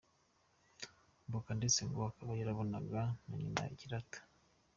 Mboka ndetse ngo akaba yarabonaga na Nyina yirata.